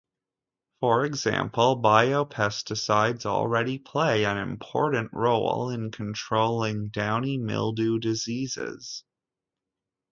For example, biopesticides already play an important role in controlling downy mildew diseases.